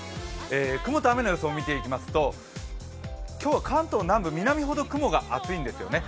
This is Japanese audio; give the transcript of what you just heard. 雲と雨の予想見ていきますと、今日は関東南部、南ほど雲が厚いんですよね。